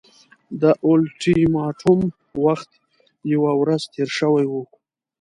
د اولټیماټوم وخت یوه ورځ تېر شوی وو.